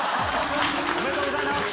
おめでとうございます！